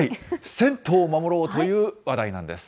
銭湯を守ろう！という話題なんです。